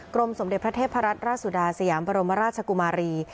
กรมสมเดวพระเทพรจราสุดาสยามปรมราชกุมารี